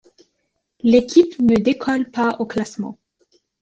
L'équipe ne décolle pas au classement.